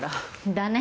だね。